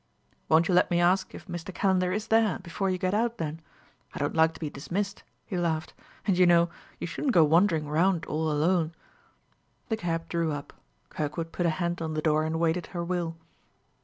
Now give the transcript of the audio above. "Won't you let me ask if Mr. Calender is there, before you get out, then? I don't like to be dismissed," he laughed; "and, you know, you shouldn't go wandering round all alone." The cab drew up. Kirkwood put a hand on the door and awaited her will.